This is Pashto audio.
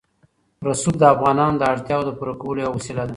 رسوب د افغانانو د اړتیاوو د پوره کولو یوه وسیله ده.